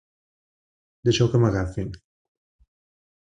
Deixeu que m'agafin.